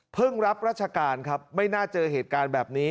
รับราชการครับไม่น่าเจอเหตุการณ์แบบนี้